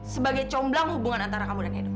sebagai comblang hubungan antara kamu dan edu